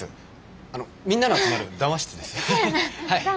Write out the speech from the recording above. あのみんなの集まる談話室ですはい。